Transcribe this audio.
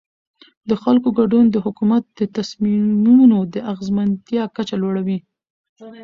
د خلکو ګډون د حکومت د تصمیمونو د اغیزمنتیا کچه لوړوي